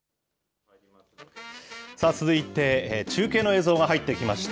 続いて、中継の映像が入ってきました。